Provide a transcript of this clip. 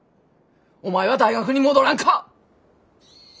お前は大学に戻らんか。